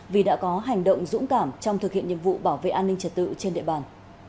vì đã có hành động dũng cảm trong thực hiện nhiệm vụ bảo vệ an ninh trật tự trên địa bàn